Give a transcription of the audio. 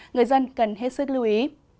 người dân cần hết sức lưu ý